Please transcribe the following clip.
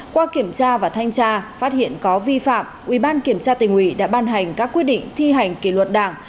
qua kiểm tra và thanh tra phát hiện có vi phạm ubnd đã ban hành các quyết định thi hành kỷ luật đảng